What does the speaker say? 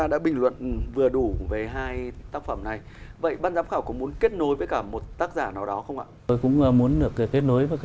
đề tài không mới